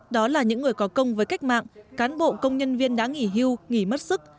đó là những người có công với cách mạng cán bộ công nhân viên đã nghỉ hưu nghỉ mất sức